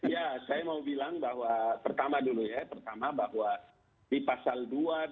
ya saya mau bilang bahwa pertama dulu ya pertama bahwa di pasal dua dari